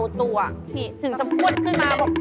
พี่ถึงสมบูรณ์ขึ้นมาบอกออก